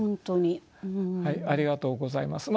ありがとうございます。